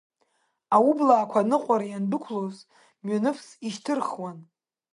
Аублаақәа ныҟәара иандәықәлоз, мҩаныфас ишьҭырхуан…